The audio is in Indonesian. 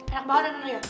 enak banget ya tante ya